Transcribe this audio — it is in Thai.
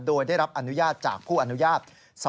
โดยได้รับอนุญาตจากผู้อนุญาต